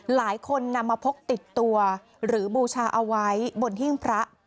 หลายคนนำมาพกติดตัวหรือบูชาเอาไว้บนหิ้งพระ